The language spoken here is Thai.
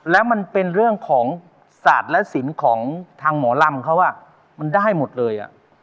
แล้วมันเป็นเรื่องของศาสตร์และศิลป์ของทางหมอลำเขามันได้หมดเลย